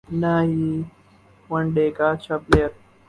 نہ ہی one day کا اچھا پلئیر